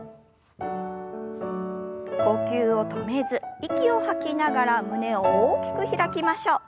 呼吸を止めず息を吐きながら胸を大きく開きましょう。